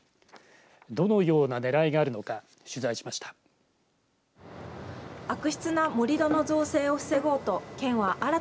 どのようなねらいがあるのか取材しました。